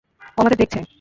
ও আমাদের দেখেছে।